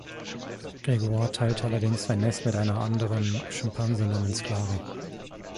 Gregoire teilte allerdings sein Nest mit einer anderen Schimpansin namens "Clara".